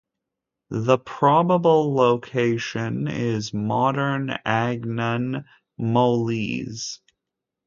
The probable location is modern Agnone, Molise.